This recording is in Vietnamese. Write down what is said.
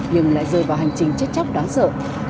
nhưng lại rơi vào hành trình chết chóc đáng sợ